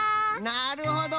なるほど！